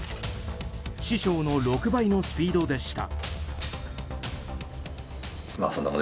師匠の６倍のスピードでした。